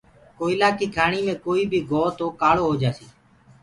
ڪوئيِلآ ڪيٚ کآڻي مي ڪوئيٚ بيٚ گو تو کآݪو هوجآسي۔